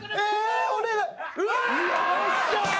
よっしゃ！